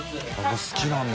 僂好きなんだ。